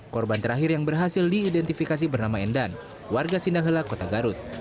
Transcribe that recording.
korban terakhir yang berhasil diidentifikasi bernama endan warga sinahela kota garut